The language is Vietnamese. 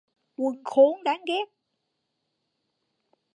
quân khốn đáng ghét